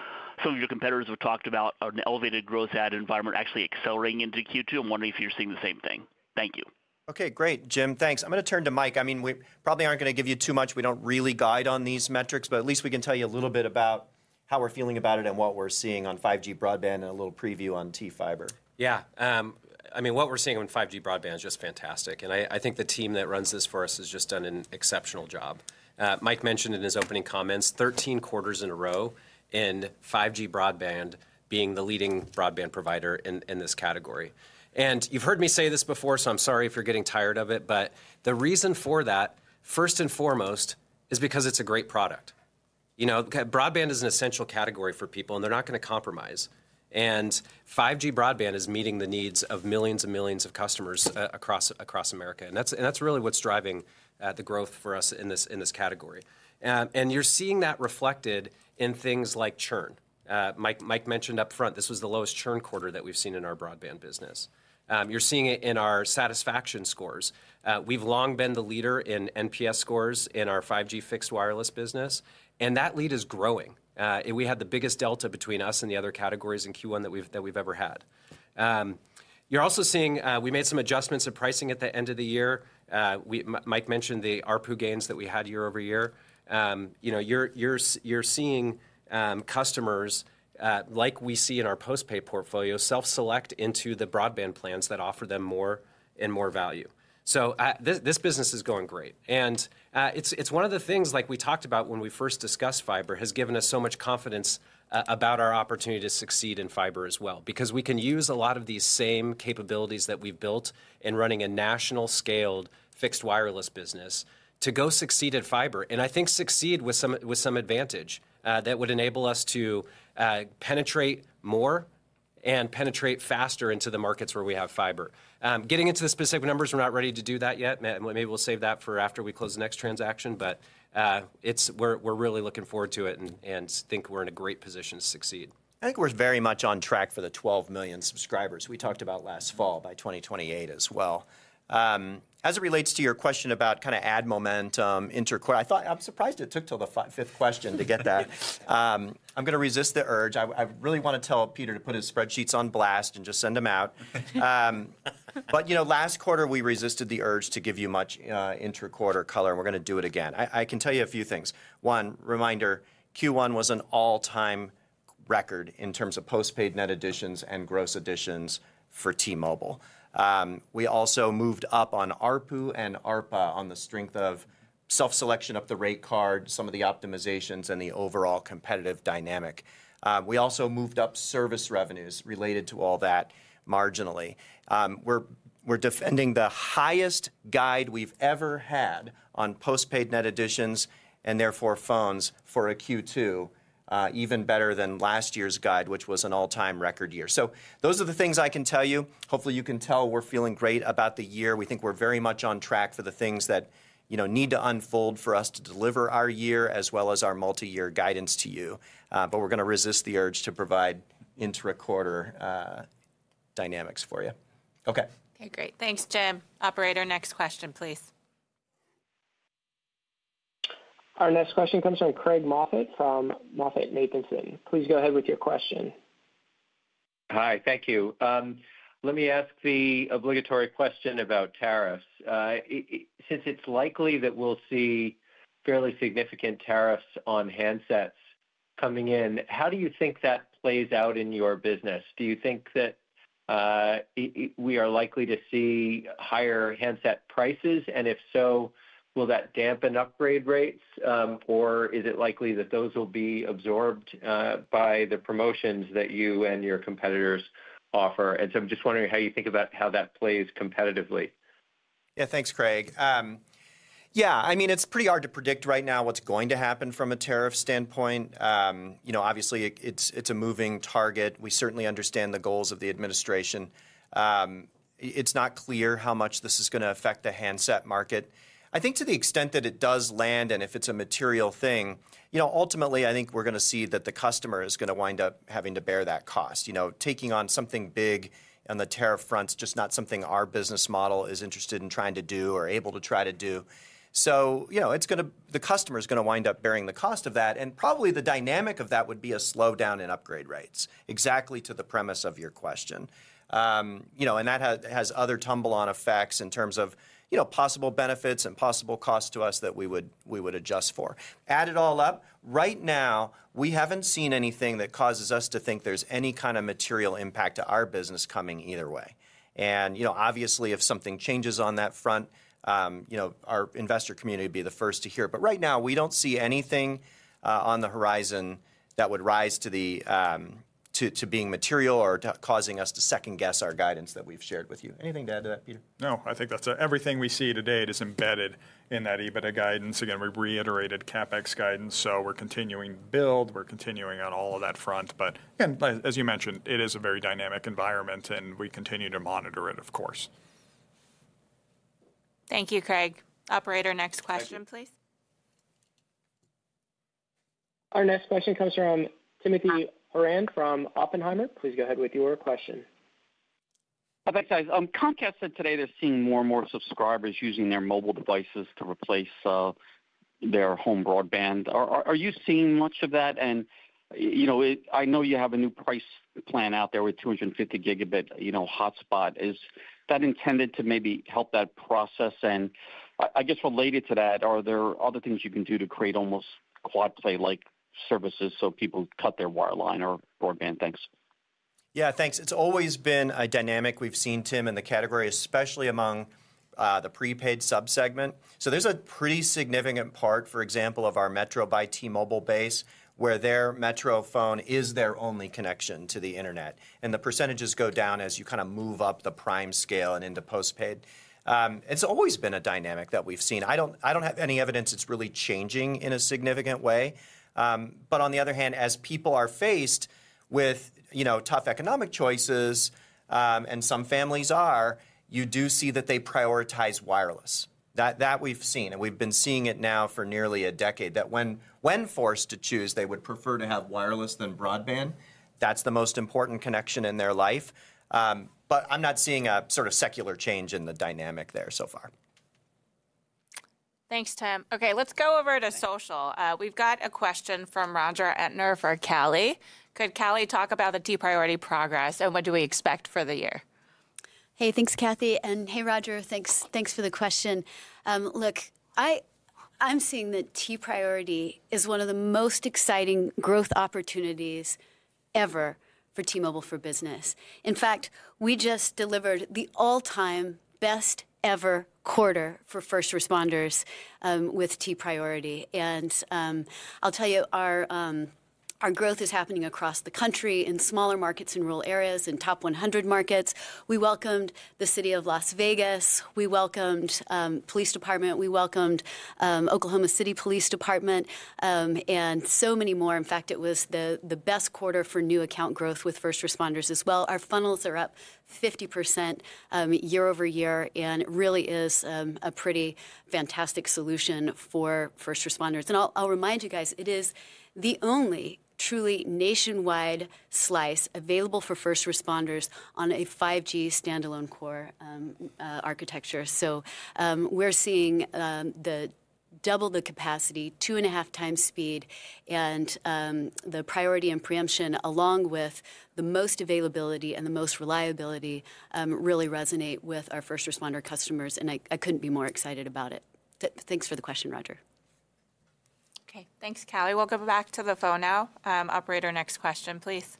Speaker 11: Some of your competitors have talked about an elevated gross add environment actually accelerating into Q2. I'm wondering if you're seeing the same thing. Thank you.
Speaker 8: Okay, great. James, thanks. I'm going to turn to Mike. I mean, we probably aren't going to give you too much. We don't really guide on these metrics, but at least we can tell you a little bit about how we're feeling about it and what we're seeing on 5G broadband and a little preview on T-Fiber.
Speaker 3: Yeah. I mean, what we're seeing on 5G broadband is just fantastic. I think the team that runs this for us has just done an exceptional job. Mike mentioned in his opening comments 13 quarters in a row in 5G broadband being the leading broadband provider in this category. You've heard me say this before, so I'm sorry if you're getting tired of it, but the reason for that, first and foremost, is because it's a great product. Broadband is an essential category for people, and they're not going to compromise. 5G broadband is meeting the needs of millions and millions of customers across America. That is really what is driving the growth for us in this category. You are seeing that reflected in things like churn. Mike mentioned upfront, this was the lowest churn quarter that we have seen in our broadband business. You are seeing it in our satisfaction scores. We have long been the leader in NPS scores in our 5G fixed wireless business, and that lead is growing. We had the biggest delta between us and the other categories in Q1 that we have ever had. You are also seeing we made some adjustments in pricing at the end of the year. Mike mentioned the ARPU gains that we had year over year. You are seeing customers like we see in our postpaid portfolio self-select into the broadband plans that offer them more and more value. This business is going great. It is one of the things like we talked about when we first discussed fiber has given us so much confidence about our opportunity to succeed in fiber as well because we can use a lot of these same capabilities that we have built in running a national-scaled fixed wireless business to go succeed at fiber. I think succeed with some advantage that would enable us to penetrate more and penetrate faster into the markets where we have fiber. Getting into the specific numbers, we are not ready to do that yet. Maybe we will save that for after we close the next transaction, but we are really looking forward to it and think we are in a great position to succeed. I think we are very much on track for the 12 million subscribers we talked about last fall by 2028 as well. As it relates to your question about kind of ad momentum, I'm surprised it took till the fifth question to get that. I'm going to resist the urge. I really want to tell Peter to put his spreadsheets on blast and just send them out. Last quarter, we resisted the urge to give you much interquarter color, and we're going to do it again. I can tell you a few things. One, reminder, Q1 was an all-time record in terms of postpaid net additions and gross additions for T-Mobile. We also moved up on ARPU and ARPA on the strength of self-selection up the rate card, some of the optimizations, and the overall competitive dynamic. We also moved up service revenues related to all that marginally. We're defending the highest guide we've ever had on postpaid net additions and therefore phones for a Q2 even better than last year's guide, which was an all-time record year. Those are the things I can tell you. Hopefully, you can tell we're feeling great about the year. We think we're very much on track for the things that need to unfold for us to deliver our year as well as our multi-year guidance to you. We're going to resist the urge to provide interquarter dynamics for you.
Speaker 11: Okay.
Speaker 2: Okay, great. Thanks, James. Operator, next question, please.
Speaker 1: Our next question comes from Craig Moffett from MoffettNathanson. Please go ahead with your question.
Speaker 12: Hi, thank you. Let me ask the obligatory question about tariffs. Since it's likely that we'll see fairly significant tariffs on handsets coming in, how do you think that plays out in your business? Do you think that we are likely to see higher handset prices? If so, will that dampen upgrade rates, or is it likely that those will be absorbed by the promotions that you and your competitors offer? I am just wondering how you think about how that plays competitively.
Speaker 3: Yeah, thanks, Craig. I mean, it is pretty hard to predict right now what is going to happen from a tariff standpoint. Obviously, it is a moving target. We certainly understand the goals of the administration. It is not clear how much this is going to affect the handset market. I think to the extent that it does land and if it is a material thing, ultimately, I think we are going to see that the customer is going to wind up having to bear that cost. Taking on something big on the tariff front is just not something our business model is interested in trying to do or able to try to do. The customer is going to wind up bearing the cost of that. Probably the dynamic of that would be a slowdown in upgrade rates, exactly to the premise of your question. That has other tumble-on effects in terms of possible benefits and possible costs to us that we would adjust for. Add it all up, right now, we have not seen anything that causes us to think there is any kind of material impact to our business coming either way. Obviously, if something changes on that front, our investor community would be the first to hear. But right now, we do not see anything on the horizon that would rise to being material or causing us to second-guess our guidance that we have shared with you. Anything to add to that, Peter?
Speaker 5: No, I think that is everything we see today is embedded in that EBITDA guidance. Again, we have reiterated CapEx guidance. We are continuing to build. We are continuing on all of that front. Again, as you mentioned, it is a very dynamic environment, and we continue to monitor it, of course.
Speaker 2: Thank you, Craig. Operator, next question, please.
Speaker 1: Our next question comes from Timothy Horan from Oppenheimer. Please go ahead with your question.
Speaker 13: Thanks, guys. Comcast said today they are seeing more and more subscribers using their mobile devices to replace their home broadband. Are you seeing much of that? I know you have a new price plan out there with 250 gigabit hotspot. Is that intended to maybe help that process? I guess related to that, are there other things you can do to create almost quad-play-like services so people cut their wireline or broadband?
Speaker 3: Thanks. Yeah, thanks. It's always been a dynamic we've seen, Tim, in the category, especially among the prepaid subsegment. There is a pretty significant part, for example, of our Metro by T-Mobile base where their Metro phone is their only connection to the internet. The percentages go down as you kind of move up the prime scale and into postpaid. It's always been a dynamic that we've seen. I don't have any evidence it's really changing in a significant way. On the other hand, as people are faced with tough economic choices, and some families are, you do see that they prioritize wireless. That we've seen, and we've been seeing it now for nearly a decade, that when forced to choose, they would prefer to have wireless than broadband. That's the most important connection in their life. I'm not seeing a sort of secular change in the dynamic there so far.
Speaker 2: Thanks, Tim. Okay, let's go over to social. We've got a question from Roger Etner for Kaley. Could Kaley talk about the T-Priority progress and what do we expect for the year?
Speaker 14: Hey, thanks, Cathy. Hey, Roger, thanks for the question. Look, I'm seeing that T-Priority is one of the most exciting growth opportunities ever for T-Mobile for business. In fact, we just delivered the all-time best ever quarter for first responders with T-Priority. I'll tell you, our growth is happening across the country in smaller markets in rural areas and top 100 markets. We welcomed the city of Las Vegas. We welcomed Police Department. We welcomed Oklahoma City Police Department and so many more. In fact, it was the best quarter for new account growth with first responders as well. Our funnels are up 50% year over year, and it really is a pretty fantastic solution for first responders. I'll remind you guys, it is the only truly nationwide slice available for first responders on a 5G standalone core architecture. We're seeing double the capacity, two and a half times speed, and the priority and preemption, along with the most availability and the most reliability, really resonate with our first responder customers. I couldn't be more excited about it. Thanks for the question, Roger.
Speaker 2: Okay, thanks, Kaley. We'll go back to the phone now. Operator, next question, please.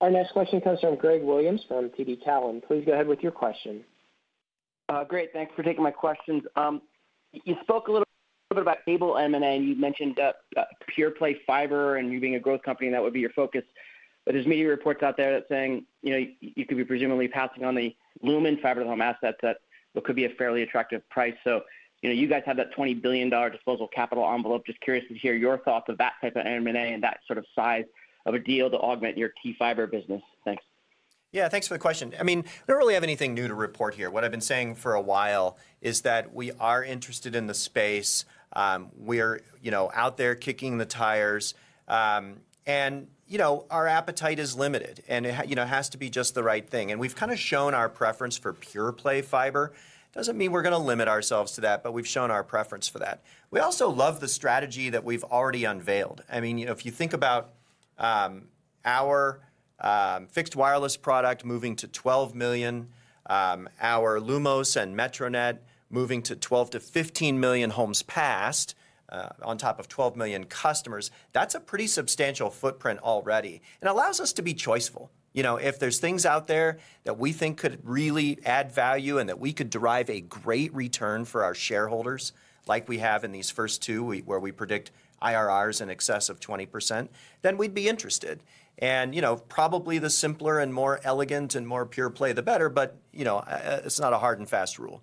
Speaker 2: Our next question comes from Greg Williams from TD Cowen.Please go ahead with your question.
Speaker 15: Great. Thanks for taking my questions. You spoke a little bit about cable M&A. You mentioned pure play fiber and you being a growth company that would be your focus. There are media reports out there that say you could be presumably passing on the Lumen fiber home assets that could be at a fairly attractive price. You guys have that $20 billion disposal capital envelope. Just curious to hear your thoughts of that type of M&A and that sort of size of a deal to augment your T-Fiber business. Thanks.
Speaker 3: Yeah, thanks for the question. I mean, we don't really have anything new to report here. What I've been saying for a while is that we are interested in the space. We're out there kicking the tires. Our appetite is limited, and it has to be just the right thing. We have kind of shown our preference for pure play fiber. That does not mean we are going to limit ourselves to that, but we have shown our preference for that. We also love the strategy that we have already unveiled. I mean, if you think about our fixed wireless product moving to 12 million, our Lumos and Metronet moving to 12-15 million homes passed on top of 12 million customers, that is a pretty substantial footprint already. It allows us to be choiceful. If there are things out there that we think could really add value and that we could derive a great return for our shareholders like we have in these first two where we predict IRRs in excess of 20%, then we would be interested. Probably the simpler and more elegant and more pure play, the better, but it is not a hard and fast rule.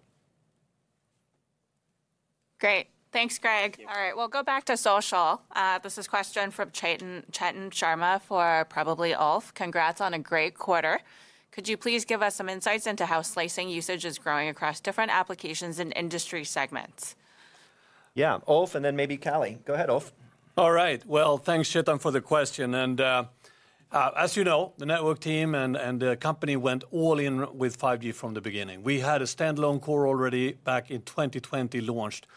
Speaker 2: Great. Thanks, Greg.
Speaker 3: All right, we'll go back to social. This is a question from Chetan Sharma for probably Ulf. Congrats on a great quarter. Could you please give us some insights into how slicing usage is growing across different applications and industry segments? Yeah, Ulf, and then maybe Kaley. Go ahead, Ulf.
Speaker 14: All right. Thanks, Chetan, for the question. As you know, the network team and the company went all in with 5G from the beginning. We had a standalone core already back in 2020 launched.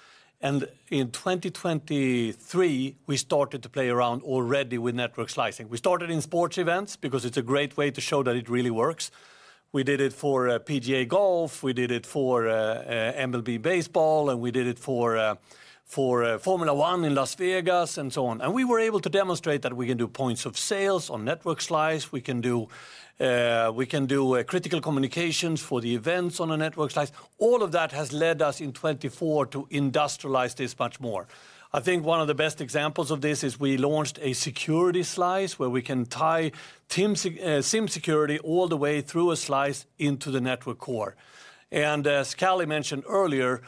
Speaker 14: In 2023, we started to play around already with network slicing. We started in sports events because it's a great way to show that it really works. We did it for PGA Golf. We did it for MLB baseball, and we did it for Formula 1 in Las Vegas and so on. We were able to demonstrate that we can do points of sales on network slice. We can do critical communications for the events on a network slice. All of that has led us in 2024 to industrialize this much more. I think one of the best examples of this is we launched a security slice where we can tie SIM security all the way through a slice into the network core. As Kellie mentioned earlier,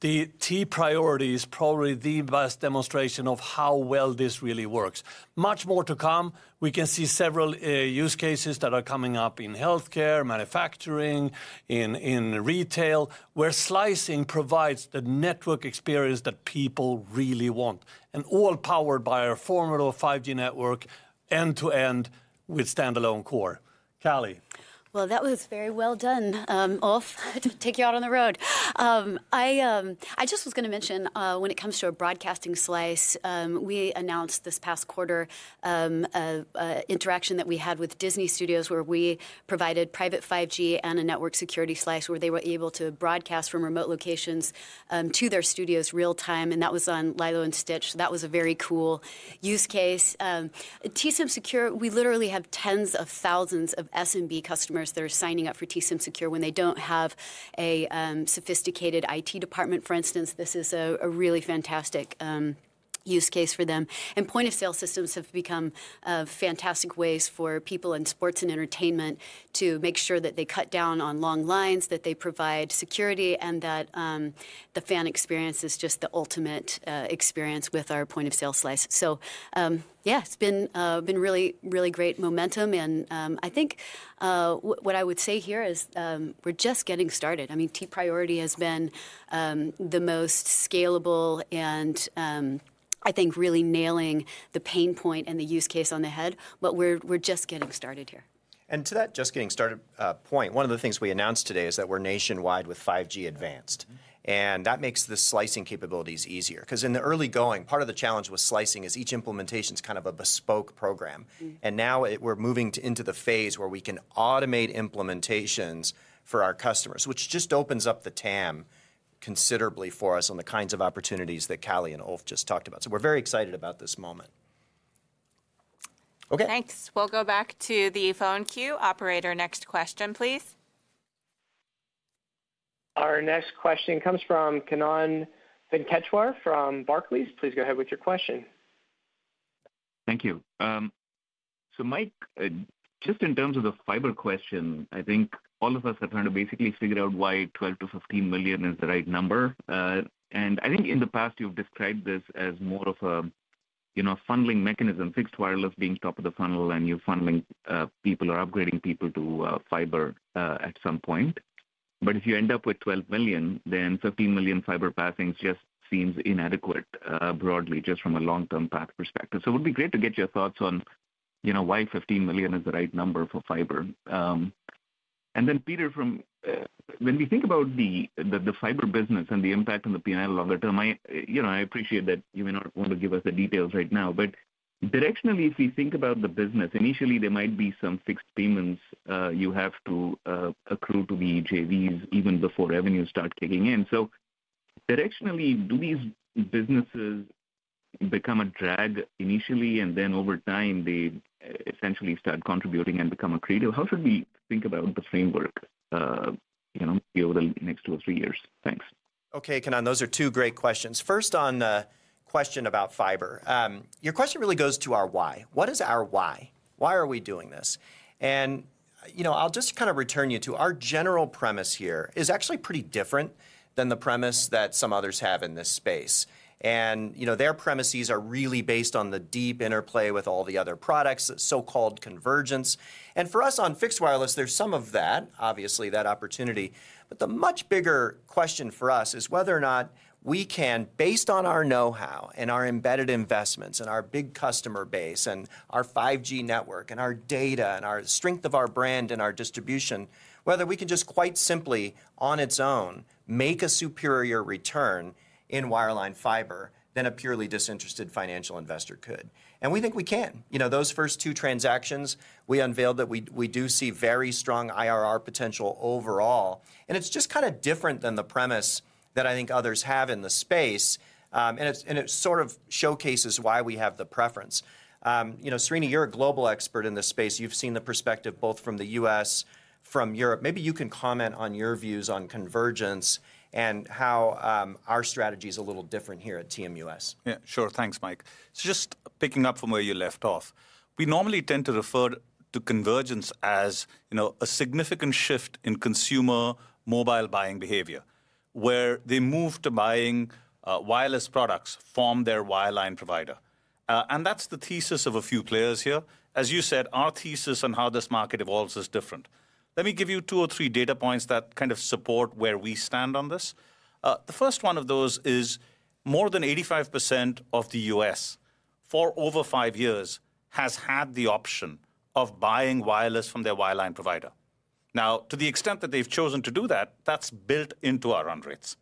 Speaker 14: the T-Priority is probably the best demonstration of how well this really works. Much more to come. We can see several use cases that are coming up in healthcare, manufacturing, in retail, where slicing provides the network experience that people really want, and all powered by our formula 5G network end-to-end with standalone core. Kaley that was very well done, Ulf, to take you out on the road. I just was going to mention, when it comes to a broadcasting slice, we announced this past quarter an interaction that we had with Disney Studios where we provided private 5G and a network security slice where they were able to broadcast from remote locations to their studios real time. That was on Lilo and Stitch. That was a very cool use case. T-SIM Secure, we literally have tens of thousands of SMB customers that are signing up for T-SIM Secure when they do not have a sophisticated IT department, for instance. This is a really fantastic use case for them. Point-of-sale systems have become fantastic ways for people in sports and entertainment to make sure that they cut down on long lines, that they provide security, and that the fan experience is just the ultimate experience with our point-of-sale slice. Yeah, it has been really, really great momentum. I think what I would say here is we're just getting started. I mean, T-Priority has been the most scalable and, I think, really nailing the pain point and the use case on the head. We're just getting started here.
Speaker 3: To that just getting started point, one of the things we announced today is that we're nationwide with 5G Advanced. That makes the slicing capabilities easier. In the early going, part of the challenge with slicing is each implementation is kind of a bespoke program. Now we're moving into the phase where we can automate implementations for our customers, which just opens up the TAM considerably for us on the kinds of opportunities that Kellie and Ulf just talked about. We're very excited about this moment. Okay.
Speaker 2: Thanks. We'll go back to the phone queue. Operator, next question, please.
Speaker 1: Our next question comes from Kannan Venkateshwar from Barclays. Please go ahead with your question.
Speaker 16: Thank you. Mike, just in terms of the fiber question, I think all of us are trying to basically figure out why 12 to 15 million is the right number. I think in the past, you've described this as more of a funneling mechanism, fixed wireless being top of the funnel, and you're funneling people or upgrading people to fiber at some point. If you end up with 12 million, then 15 million fiber passing just seems inadequate broadly, just from a long-term path perspective. It would be great to get your thoughts on why 15 million is the right number for fiber. Then, Peter, when we think about the fiber business and the impact on the P&L longer term, I appreciate that you may not want to give us the details right now. Directionally, if we think about the business, initially, there might be some fixed payments you have to accrue to the JVs even before revenues start kicking in. Directionally, do these businesses become a drag initially, and then over time, they essentially start contributing and become accretive? How should we think about the framework over the next two or three years? Thanks.
Speaker 3: Okay, Kannan, those are two great questions. First, on the question about fiber, your question really goes to our why. What is our why? Why are we doing this? I will just kind of return you to our general premise here is actually pretty different than the premise that some others have in this space. Their premises are really based on the deep interplay with all the other products, so-called convergence. For us on fixed wireless, there's some of that, obviously, that opportunity. The much bigger question for us is whether or not we can, based on our know-how and our embedded investments and our big customer base and our 5G network and our data and our strength of our brand and our distribution, whether we can just quite simply, on its own, make a superior return in wireline fiber than a purely disinterested financial investor could. We think we can. Those first two transactions, we unveiled that we do see very strong IRR potential overall. It is just kind of different than the premise that I think others have in the space. It sort of showcases why we have the preference. Srini, you're a global expert in this space. You've seen the perspective both from the U.S., from Europe. Maybe you can comment on your views on convergence and how our strategy is a little different here at TMUS.
Speaker 4: Yeah, sure. Thanks, Mike. Just picking up from where you left off, we normally tend to refer to convergence as a significant shift in consumer mobile buying behavior, where they move to buying wireless products from their wireline provider. That's the thesis of a few players here. As you said, our thesis on how this market evolves is different. Let me give you two or three data points that kind of support where we stand on this. The first one of those is more than 85% of the U.S. for over five years has had the option of buying wireless from their wireline provider. Now, to the extent that they've chosen to do that, that's built into our run rates.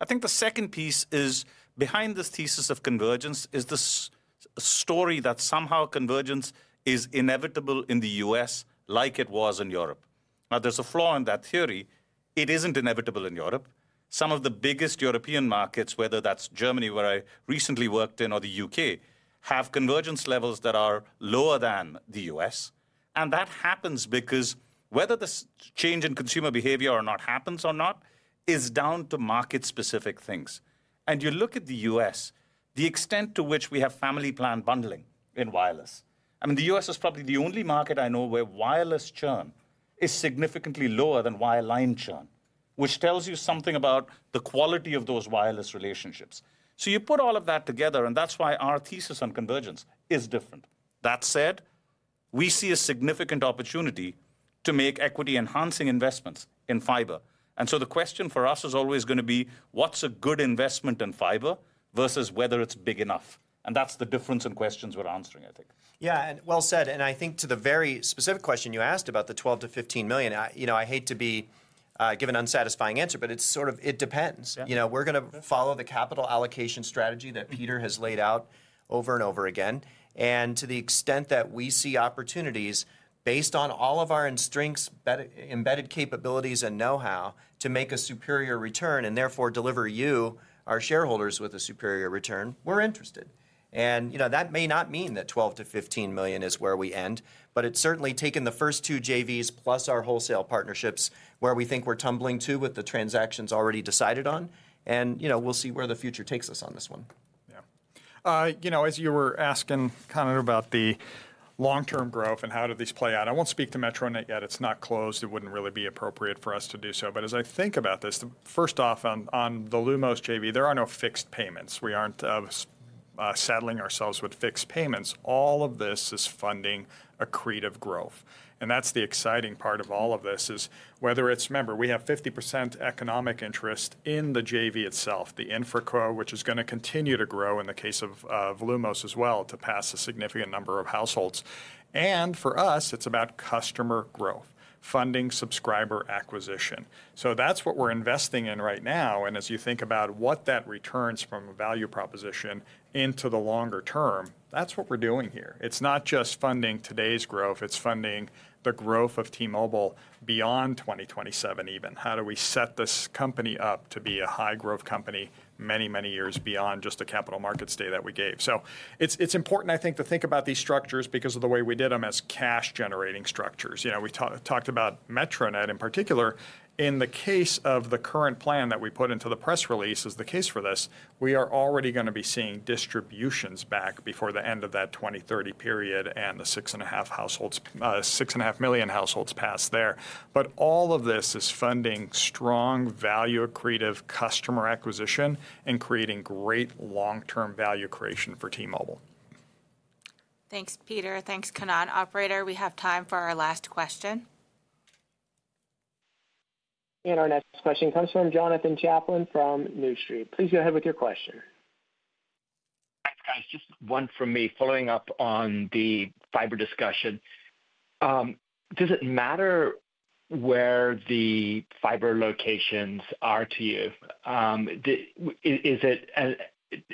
Speaker 4: I think the second piece is behind this thesis of convergence is this story that somehow convergence is inevitable in the U.S. like it was in Europe. There is a flaw in that theory. It isn't inevitable in Europe. Some of the biggest European markets, whether that's Germany, where I recently worked in, or the U.K., have convergence levels that are lower than the U.S. That happens because whether this change in consumer behavior happens or not is down to market-specific things. You look at the U.S., the extent to which we have family plan bundling in wireless. I mean, the U.S. is probably the only market I know where wireless churn is significantly lower than wireline churn, which tells you something about the quality of those wireless relationships. You put all of that together, and that's why our thesis on convergence is different. That said, we see a significant opportunity to make equity-enhancing investments in fiber. The question for us is always going to be, what's a good investment in fiber versus whether it's big enough? That's the difference in questions we're answering, I think.
Speaker 3: Yeah, well said. I think to the very specific question you asked about the 12-15 million, I hate to be giving an unsatisfying answer, but it sort of depends. We're going to follow the capital allocation strategy that Peter has laid out over and over again. To the extent that we see opportunities based on all of our strengths, embedded capabilities, and know-how to make a superior return and therefore deliver you, our shareholders, with a superior return, we're interested. That may not mean that 12 to 15 million is where we end, but it's certainly taken the first two JVs plus our wholesale partnerships where we think we're tumbling to with the transactions already decided on. We'll see where the future takes us on this one. Yeah.
Speaker 5: As you were asking kind of about the long-term growth and how do these play out, I won't speak to Metronet yet. It's not closed. It wouldn't really be appropriate for us to do so. As I think about this, first off, on the Lumos JV, there are no fixed payments. We aren't saddling ourselves with fixed payments. All of this is funding accretive growth. That's the exciting part of all of this, whether it's, remember, we have 50% economic interest in the JV itself, the InfraCo, which is going to continue to grow in the case of Lumos as well to pass a significant number of households. For us, it's about customer growth, funding subscriber acquisition. That's what we're investing in right now. As you think about what that returns from a value proposition into the longer term, that's what we're doing here. It's not just funding today's growth. It's funding the growth of T-Mobile beyond 2027 even. How do we set this company up to be a high-growth company many, many years beyond just a capital markets day that we gave? It's important, I think, to think about these structures because of the way we did them as cash-generating structures. We talked about Metronet in particular. In the case of the current plan that we put into the press release as the case for this, we are already going to be seeing distributions back before the end of that 2030 period and the six and a half million households pass there. All of this is funding strong value-accretive customer acquisition and creating great long-term value creation for T-Mobile.
Speaker 2: Thanks, Peter. Thanks, Kannan. Operator, we have time for our last question.
Speaker 1: Our next question comes from Jonathan Chaplin from New Street. Please go ahead with your question.
Speaker 17: Hi, guys. Just one from me following up on the fiber discussion. Does it matter where the fiber locations are to you? Is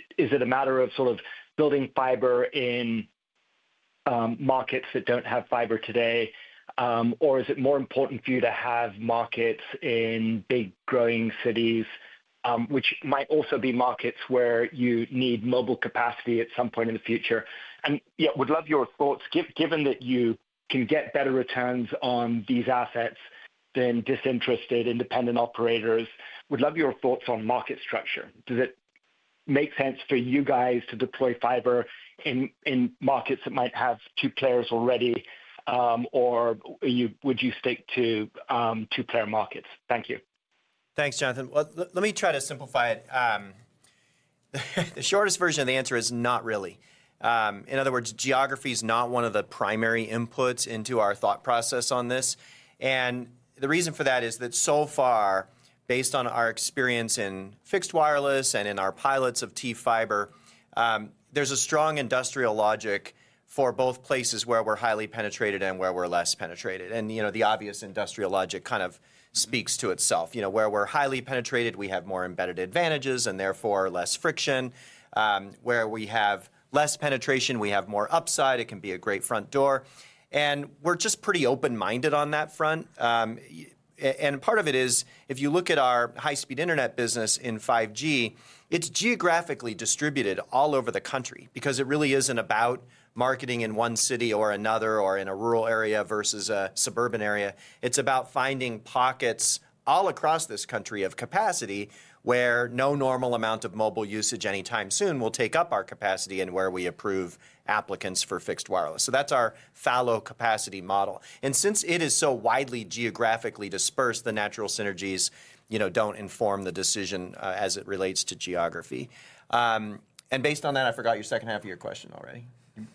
Speaker 17: it a matter of sort of building fiber in markets that do not have fiber today, or is it more important for you to have markets in big growing cities, which might also be markets where you need mobile capacity at some point in the future? Yeah, would love your thoughts. Given that you can get better returns on these assets than disinterested independent operators, would love your thoughts on market structure. Does it make sense for you guys to deploy fiber in markets that might have two players already, or would you stick to two-player markets? Thank you.
Speaker 3: Thanks, Jonathan. Let me try to simplify it. The shortest version of the answer is not really. In other words, geography is not one of the primary inputs into our thought process on this. The reason for that is that so far, based on our experience in fixed wireless and in our pilots of T-Fiber, there is a strong industrial logic for both places where we are highly penetrated and where we are less penetrated. The obvious industrial logic kind of speaks to itself. Where we are highly penetrated, we have more embedded advantages and therefore less friction. Where we have less penetration, we have more upside. It can be a great front door. We are just pretty open-minded on that front. Part of it is, if you look at our high-speed internet business in 5G, it is geographically distributed all over the country because it really is not about marketing in one city or another or in a rural area versus a suburban area. It's about finding pockets all across this country of capacity where no normal amount of mobile usage anytime soon will take up our capacity and where we approve applicants for fixed wireless. That's our fallow capacity model. Since it is so widely geographically dispersed, the natural synergies do not inform the decision as it relates to geography. Based on that, I forgot your second half of your question already.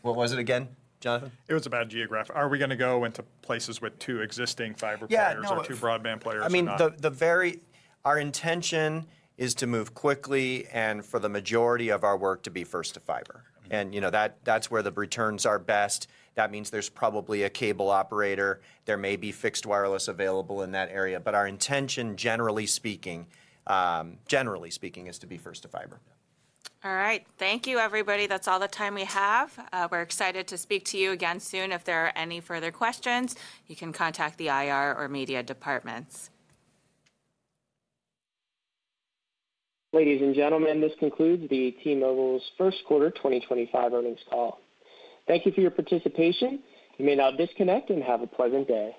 Speaker 3: What was it again, Jonathan? It was about geographic. Are we going to go into places with two existing fiber players or two broadband players? Yeah. I mean, our intention is to move quickly and for the majority of our work to be first to fiber. That's where the returns are best. That means there's probably a cable operator. There may be fixed wireless available in that area. Our intention, generally speaking, is to be first to fiber.
Speaker 2: All right. Thank you, everybody. That's all the time we have. We're excited to speak to you again soon. If there are any further questions, you can contact the IR or media departments.
Speaker 1: Ladies and gentlemen, this concludes T-Mobile's first quarter 2025 earnings call. Thank you for your participation. You may now disconnect and have a pleasant day.